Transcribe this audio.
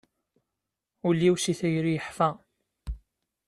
Ul-iw si tayri yeḥfa.